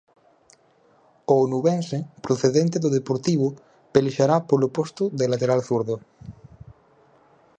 O onubense, procedente do Deportivo, pelexará polo posto de lateral zurdo.